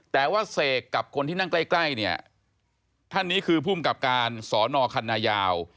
แต่ว่าเสกกับคนที่นั่งใกล้ใกล้เนี่ยท่านนี้คือภูมิกับการสอนอคันนายาว